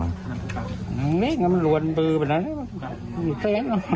เร่งเล่นมันรวดมือไปนั้นนะฮะ